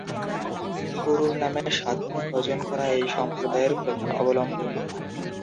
গুরুর নামে সাধন ভজন করা এই সম্প্রদায়ের প্রধান অবলম্বন।